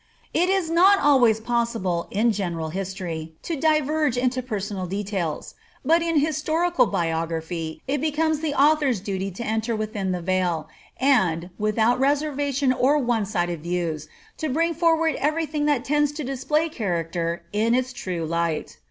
It is not always possible, in general history, to diverge into personal details; but in historical biography it becomes the author's duty to enter within the veil, and, without reservation or one sided views, to bring forward every thing that tends to display character in its true light.